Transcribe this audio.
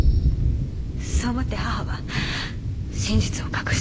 そう思って母は真実を隠したんです。